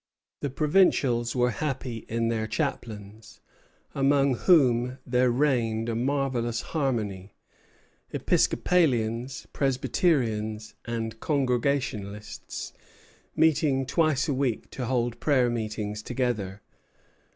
The provincials were happy in their chaplains, among whom there reigned a marvellous harmony, Episcopalians, Presbyterians, and Congregationalists meeting twice a week to hold prayer meetings together.